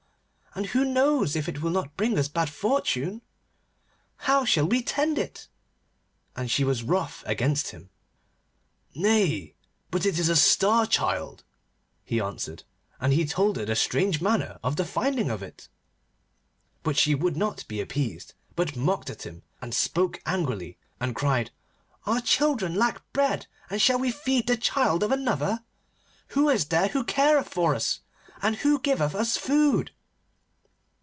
And who knows if it will not bring us bad fortune? And how shall we tend it?' And she was wroth against him. 'Nay, but it is a Star Child,' he answered; and he told her the strange manner of the finding of it. But she would not be appeased, but mocked at him, and spoke angrily, and cried: 'Our children lack bread, and shall we feed the child of another? Who is there who careth for us? And who giveth us food?